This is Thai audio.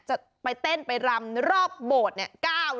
จะไปเต้นไปรำรอบโบสถ์เนี่ย